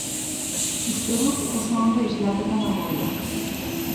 Uste dut oso ondo islatuta dagoela.